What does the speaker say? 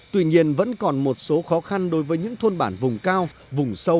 tuy nhiên vẫn còn một số khó khăn đối với những thôn bản vùng cao vùng sâu